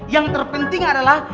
yang terpenting adalah